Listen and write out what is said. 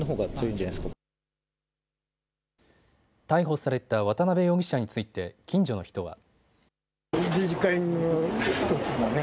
逮捕された渡邊容疑者について近所の人は。